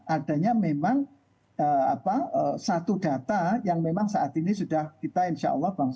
adanya memang satu data yang memang saat ini sudah kita insya allah